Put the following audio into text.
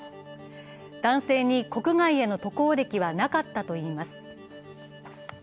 男性に国外への渡航歴はなかったといいます。